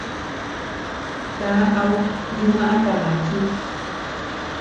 Kaa au yumaʼata maachi.